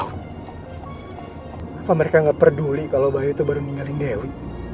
kenapa mereka nggak peduli kalau bayi itu baru ninggalin dewi